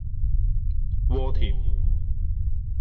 鍋貼